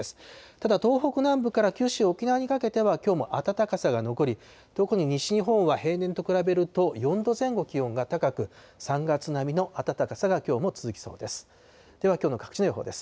ただ、東北南部から九州、沖縄にかけてはきょうも暖かさが残り、特に西日本は平年と比べると４度前後気温が高く、３月並みの暖かさがきょうも続きそうです。